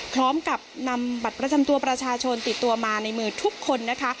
พร้อมกับนำบัตรประจำตัวประชาชนติดตัวมาในมือทุกคนนะคะ